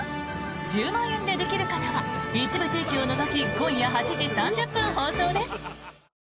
「１０万円でできるかな」は一部地域を除き今夜８時３０分放送です。